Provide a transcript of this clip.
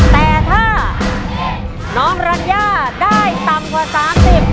แต่ถ้าน้องรัญญาได้ต่ำกว่า๓๐บาท